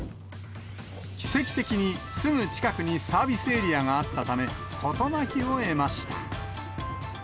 奇跡的にすぐ近くにサービスエリアがあったため、事なきを得ました。